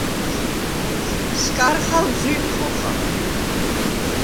სკარხალ ძუ̂ირდ ხოხა.